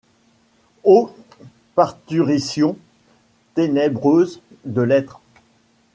Ô parturition ténébreuse de l’Être !